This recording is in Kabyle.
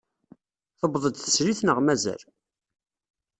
Tewweḍ-d teslit neɣ mazal?